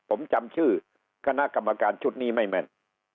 ผมจำชื่อคณะกรรมการชุดนี้ไม่แม่น